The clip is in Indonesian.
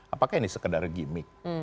apakah ini sekadar gimmick